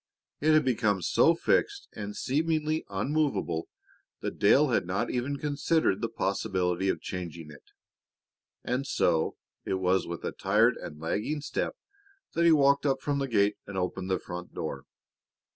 It had become so fixed and seemingly immovable that Dale had not even considered the possibility of changing it. And so it was with a tired and lagging step that he walked up from the gate and opened the front door.